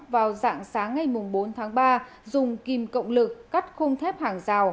vào dạng sáng ngày bốn tháng ba dùng kim cộng lực cắt khung thép hàng rào